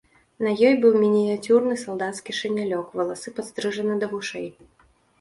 На ёй быў мініяцюрны салдацкі шынялёк, валасы падстрыжаны да вушэй.